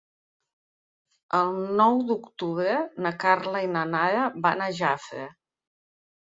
El nou d'octubre na Carla i na Nara van a Jafre.